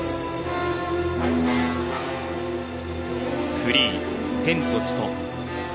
フリー「天と地と」